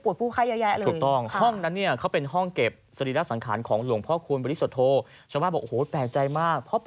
ชาวบ้านก็บอกมันแตกจัยหมาย